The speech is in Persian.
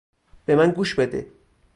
به من گوش بده!